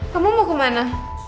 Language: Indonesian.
kamu mau kemana